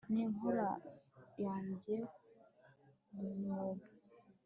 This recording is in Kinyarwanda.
ninkokora yanjye mumwobo